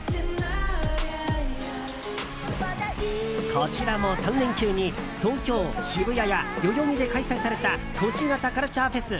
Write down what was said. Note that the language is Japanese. こちらも３連休に東京・渋谷や代々木で開催された都市型カルチャーフェス